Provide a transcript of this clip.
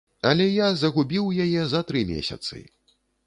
Але я загубіў яе за тры месяцы.